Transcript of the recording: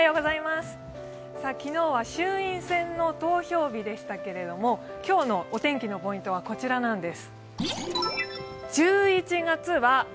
昨日は衆院選の投票日でしたけれども今日のお天気のポイントはこちらなんです。